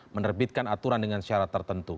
menerbitkan aturan dengan syarat tertentu